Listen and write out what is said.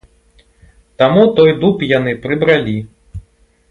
Таму той дуб яны прыбралі.